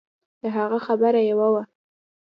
د هغه خبره يوه وه.